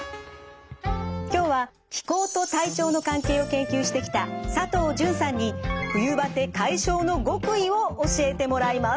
今日は気候と体調の関係を研究してきた佐藤純さんに冬バテ解消の極意を教えてもらいます。